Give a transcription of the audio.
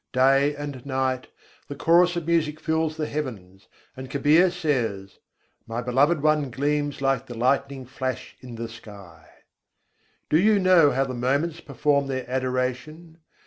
Day and night, the chorus of music fills the heavens; and Kabîr says "My Beloved One gleams like the lightning flash in the sky." Do you know how the moments perform their adoration?